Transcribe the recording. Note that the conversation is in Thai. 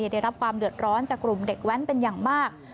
ได้รับความเดือดร้อนจากกลุ่มเด็กแว้นเป็นอย่างมาก